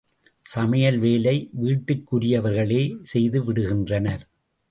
சமையல் வேலை வீட்டுக்குரியவர்களே செய்துவிடுகின்றனர்.